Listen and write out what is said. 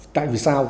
tại vì sao